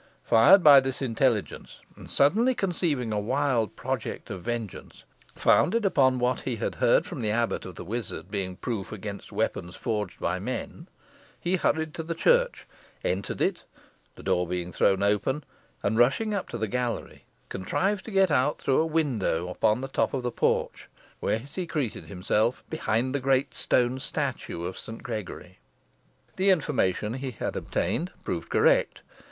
Fired by this intelligence, and suddenly conceiving a wild project of vengeance, founded upon what he had heard from the abbot of the wizard being proof against weapons forged by men, he hurried to the church, entered it, the door being thrown open, and rushing up to the gallery, contrived to get out through a window upon the top of the porch, where he secreted himself behind the great stone statue of Saint Gregory. The information he had obtained proved correct.